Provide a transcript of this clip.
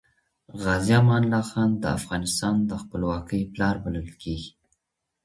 غازي امان الله خان د افغانستان د خپلواکۍ پلار بلل کیږي.